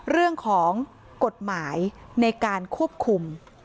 เรื่องของกฎหมายในการควบคุม